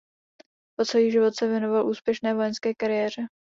Po celý život se věnoval úspěšné vojenské kariéře.